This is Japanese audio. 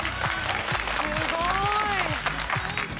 すごい。